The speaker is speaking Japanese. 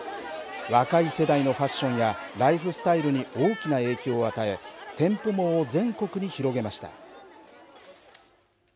若い世代のファッションやライフスタイルに大きな影響を与え店舗網を全国に広げました。